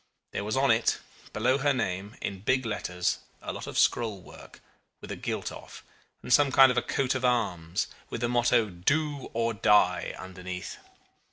There was on it, below her name in big letters, a lot of scroll work, with the gilt off, and some sort of a coat of arms, with the motto 'Do or Die' underneath.